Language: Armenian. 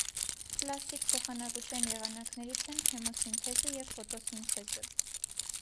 Պլաստիկ փոխանակության եղանակներից են քեմոսինթեզը և ֆոտոսինթեզը։